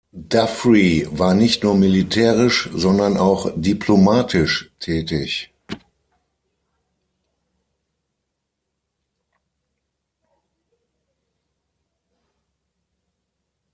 D’Affry war nicht nur militärisch, sondern auch diplomatisch tätig.